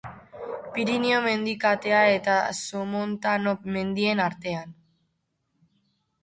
Pirinio mendikatea eta Somontano mendien artean.